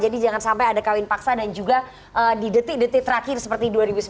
jangan sampai ada kawin paksa dan juga di detik detik terakhir seperti dua ribu sembilan belas